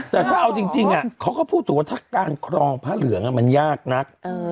แต่ถ้าเอาจริงเขาก็พูดถูกว่าถ้าการครองพระเหลืองมันยากนัก